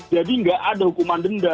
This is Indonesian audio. jadi nggak ada hukuman denda